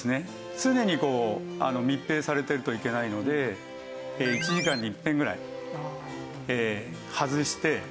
常に密閉されてるといけないので１時間に一遍ぐらい外して換気をする。